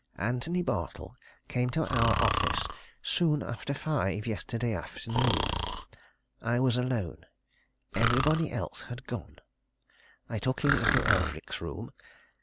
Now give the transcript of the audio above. Antony Bartle came to our office soon after five yesterday afternoon. I was alone everybody else had gone. I took him into Eldrick's room.